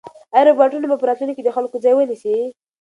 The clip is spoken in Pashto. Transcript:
ایا روبوټونه به په راتلونکي کې د خلکو ځای ونیسي؟